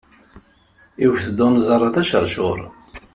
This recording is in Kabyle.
Iwet-d unẓar d aceṛcuṛ.